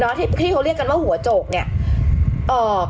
ที่ที่เขาเรียกกันว่าหัวโจกเนี่ยเอ่อ